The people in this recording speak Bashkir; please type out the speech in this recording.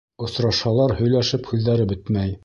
Осрашһалар, һөйләшеп һүҙҙәре бөтмәй.